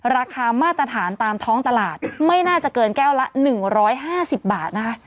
ราคามาตรฐานตามท้องตลาดไม่น่าจะเกินแก้วละ๑๕๐บาทนะคะ